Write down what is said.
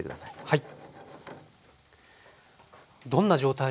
はい。